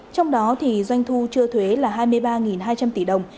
trong đó doanh thu chưa thuế là hai mươi ba hai trăm linh tỷ đồng